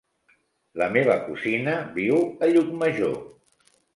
La meva cosina viu a Llucmajor.